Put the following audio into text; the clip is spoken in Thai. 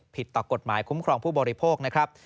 ต่อกฎหมายคุ้มครองผู้บริโภคนะครับ